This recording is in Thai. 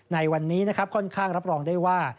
ในวันนี้นะครับค่อนข้างรับรองได้ว่า